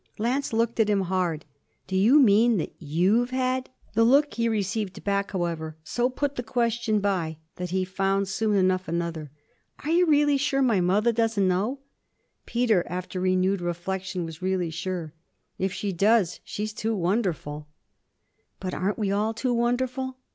Lance looked at him hard. 'Do you mean that you've had ?' The look he received back, however, so put the question by that he found soon enough another. 'Are you really sure my mother doesn't know?' Peter, after renewed reflexion, was really sure. 'If she does she's too wonderful.' 'But aren't we all too wonderful?'